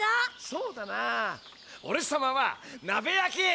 そうだなあおれさまはなべやき。